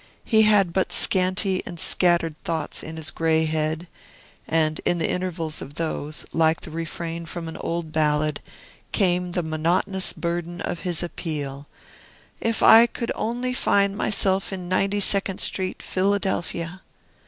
He had but scanty and scattered thoughts in his gray head, and in the intervals of those, like the refrain of an old ballad, came in the monotonous burden of his appeal, "If I could only find myself in Ninety second Street, Philadelphia!"